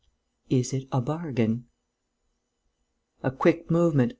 Is it a bargain?" A quick movement.